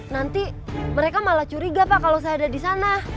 nanti mereka malah curiga pak kalau saya ada di sana